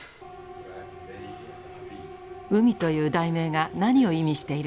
「海」という題名が何を意味しているのか。